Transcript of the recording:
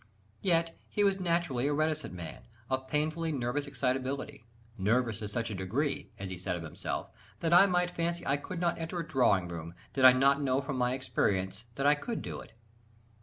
Yet he was naturally a reticent man, of painfully nervous excitability; "nervous to such a degree," as he said of himself, "that I might fancy I could not enter a drawing room, did I not know from my experience that I could do it."